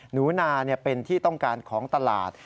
หนูนาเป็นที่ต้องการของตลาด